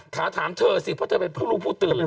ถามเธอสิเพราะเธอเป็นผู้รู้ผู้ตื่นเลย